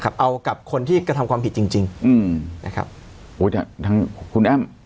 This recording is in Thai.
เอากับคนที่กระทำความผิดจริงจริงอืมนะครับอุ้ยทางคุณแอ้ม